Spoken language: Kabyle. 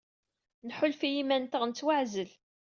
Nḥulfa i yiman-nteɣ nettwaɛzel.